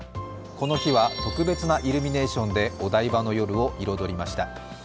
この日は特別なイルミネーションでお台場の夜を彩りました。